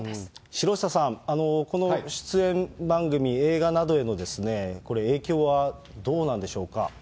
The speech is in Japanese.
城下さん、この出演番組、映画などへの影響はどうなんでしょうか。